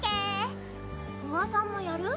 芙羽さんもやる？